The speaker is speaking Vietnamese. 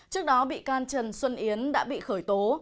trước đó bị can trần xuân yến đã bị khởi tố